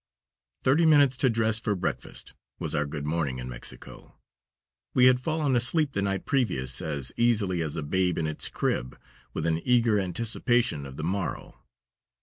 "Thirty minutes to dress for breakfast," was our good morning in Mexico. We had fallen asleep the night previous as easily as a babe in its crib, with an eager anticipation of the morrow.